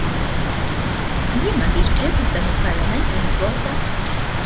Jien m'għandix dritt f'dan il-Parlament li nivvota?!